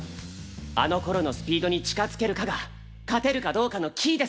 あの頃のスピードに近づけるかが勝てるかどうかのキーですから！